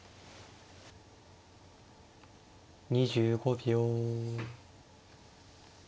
２５秒。